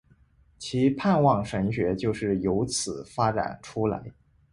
其盼望神学就是有此发展出来。